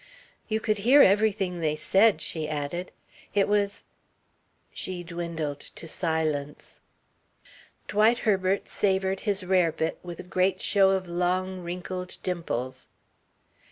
"You could hear everything they said," she added. "It was " she dwindled to silence. Dwight Herbert savoured his rarebit with a great show of long wrinkled dimples.